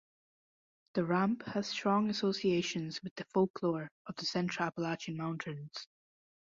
The ramp has strong associations with the folklore of the central Appalachian Mountains.